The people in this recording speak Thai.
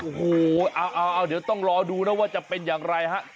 โอ้โหเอาเดี๋ยวต้องรอดูนะว่าจะเป็นอย่างไรฮะ